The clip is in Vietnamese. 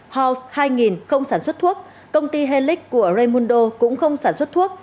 house hai nghìn không sản xuất thuốc công ty helix của raymundo cũng không sản xuất thuốc